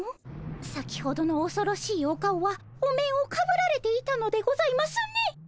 先ほどのおそろしいお顔はお面をかぶられていたのでございますね。